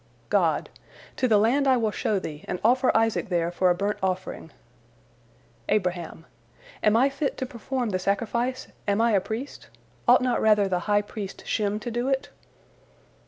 God: "To the land I will show thee, and offer Isaac there for a burnt offering." Abraham: "Am I fit to perform the sacrifice, am I a priest? Ought not rather the high priest Shem to do it?"